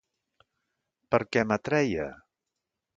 Per què m'atreia?